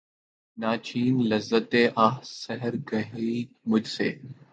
نہ چھین لذت آہ سحرگہی مجھ سے